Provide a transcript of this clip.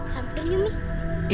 sampai dulu nih